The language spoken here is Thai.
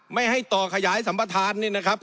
ไม่ให้ต่อขยายสัมประธานนี่นะครับ